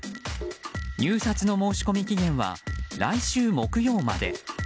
入札の申し込み期限は来週木曜まで。